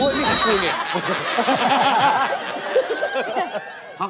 โห๊ะนี่ขาดครึงล่ะ